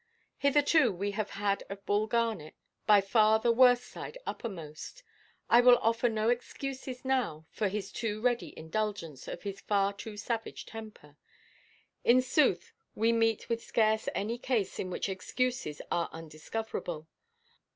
Hitherto we have had of Bull Garnet by far the worse side uppermost. I will offer no excuses now for his too ready indulgence of his far too savage temper. In sooth, we meet with scarce any case in which excuses are undiscoverable.